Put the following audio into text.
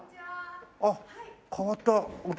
あっ変わったお寺。